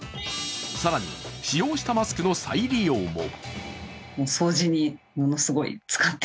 更に使用したマスクの再利用も。